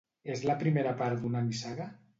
És la primera part d'una nissaga?